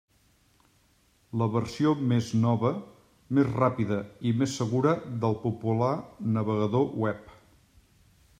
La versió més nova, més ràpida i més segura del popular navegador web.